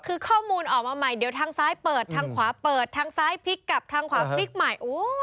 คือข้อมูลออกมาใหม่เดี๋ยวทางซ้ายเปิดทางขวาเปิดทางซ้ายพลิกกลับทางขวาพลิกใหม่